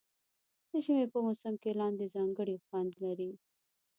د ژمي په موسم کې لاندی ځانګړی خوند لري.